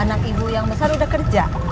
anak ibu yang besar udah kerja